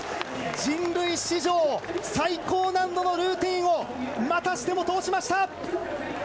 人類史上最高難度のルーティンを、またしても通しました。